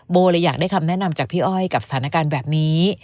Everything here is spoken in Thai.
เลยอยากได้คำแนะนำจากพี่อ้อยกับสถานการณ์แบบนี้